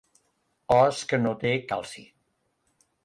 Os que no té calci.